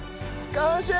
完成！